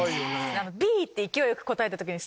Ｂ！って勢いよく答えた時に。